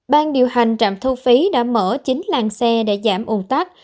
ban điều hành trạm thu phí đã mở chín làng xe để giảm ủng tắc